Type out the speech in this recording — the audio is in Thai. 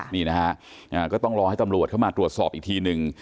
นี่นะฮะก็ต้องรอให้ตำรวจเข้ามาตรวจสอบอีกทีหนึ่ง